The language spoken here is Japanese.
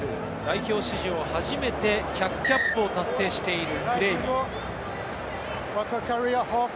初めて１００キャップを達成しているクレービー。